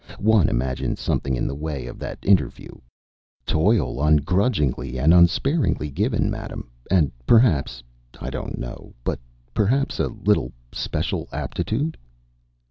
One imagines something in the way of that interview, 'toil ungrudgingly and unsparingly given, Madam, and, perhaps I don't know but perhaps a little special aptitude.'"